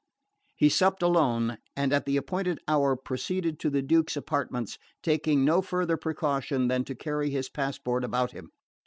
He supped alone, and at the appointed hour proceeded to the Duke's apartments, taking no farther precaution than to carry his passport about him.